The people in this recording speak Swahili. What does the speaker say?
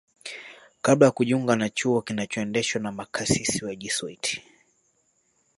kabla ya kujiunga na chuo kinachoendeshwa na makasisi wa Jesuit